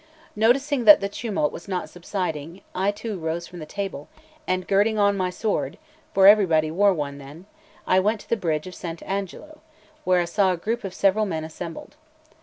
Noticing that the tumult was not subsiding, I too rose from the table, and girding on my sword for everybody wore one then I went to the bridge of Sant' Agnolo, where I saw a group of several men assembled.